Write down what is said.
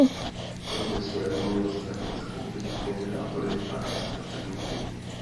Kromě zbraní lze také zakoupit generátory a extra předměty.